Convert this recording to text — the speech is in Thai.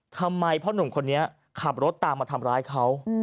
ทำไมพ่อหนุ่มคนนี้ขับรถตามมาทำร้ายเขา